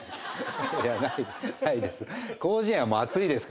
いやないないです。